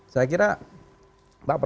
saya kira pak prabowo menempatkan diri